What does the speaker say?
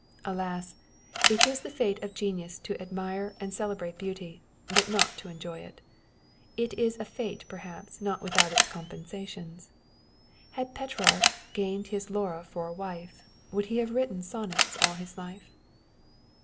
Alas ! it is the fate of genius to admire and to celebrate beauty, not to enjoy it ! It is a fate, perhaps, not without its compensations â€" Had Petrarch gained his Laura for a wife, Would he have written Sonnets all his life